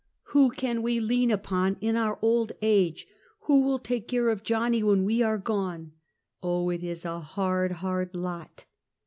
Who can we lean upon, in our old age? Who will take care of Johnny when we are gone? Oh, it is a hard, hard lot."